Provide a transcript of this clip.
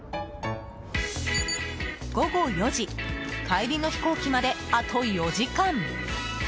午後４時、帰りの飛行機まであと４時間。